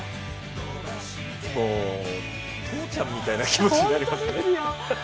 もう父ちゃんみたいな気持ちになりますね。